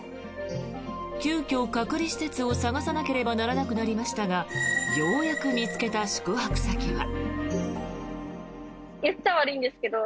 急きょ、隔離施設を探さなければならなくなりましたがようやく見つけた宿泊先は。